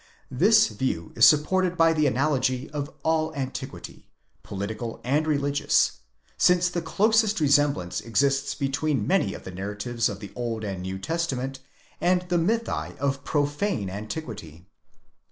'This view is supported by the analogy of all antiquity, political and religious, since the closest resemblance exists between many of the narratives of the Old and New Testament, and the mythi of profane antiquity.